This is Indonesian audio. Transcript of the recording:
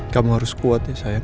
kamu harus kuat ya sayang